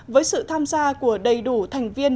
với sự tham gia của đầy đủ thành viên